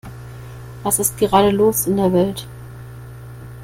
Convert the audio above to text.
Was ist gerade los in der Welt?